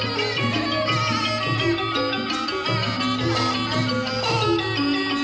โอเคครับ